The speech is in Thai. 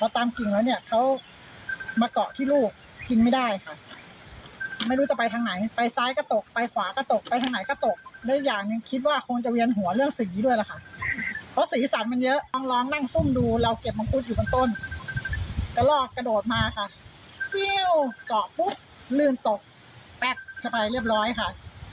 แต่ปุ๊บลื่นตกแป๊กเข้าไปเรียบร้อยค่ะ